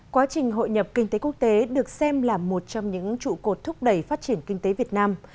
quá trình hội nhập kinh tế quốc tế được xem là một trong những trụ cột thúc đẩy phát triển kinh tế việt nam